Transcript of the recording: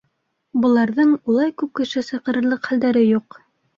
Быларҙың улай күп кеше саҡырырлыҡ хәлдәре юҡ.